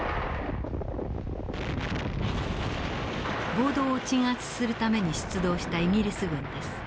暴動を鎮圧するために出動したイギリス軍です。